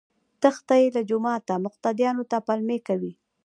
تښتي له جوماته مقتديانو ته پلمې کوي